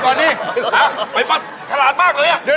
ไม่รู้ไปบ้านฉลาดมากเลย